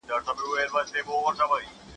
دوی د بازار په بدلونونو ښه پوهیږي.